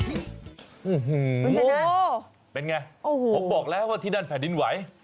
โอ้โหเป็นไงโอ้โหผมบอกแล้วว่าที่นั่นแผ่นดินไหว